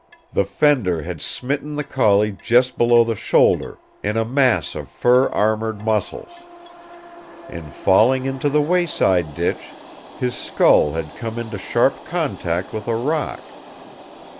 The fender had smitten the collie just below the shoulder, in a mass of fur armored muscles. In falling into the wayside ditch his skull had come into sharp contact with a rock.